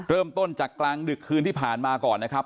เริ่มต้นจากกลางดึกคืนที่ผ่านมาก่อนนะครับ